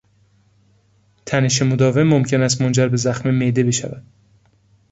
تنش مداوم ممکن است منجر به زخم معده بشود.